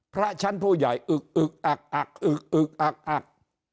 พระชั้นผู้ใหญ่อึกอึกอักอักอึกอึกอักอัก